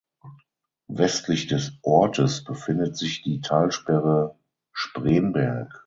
Westlich des Ortes befindet sich die Talsperre Spremberg.